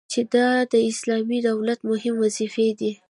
چي دا د اسلامي دولت مهمي وظيفي دي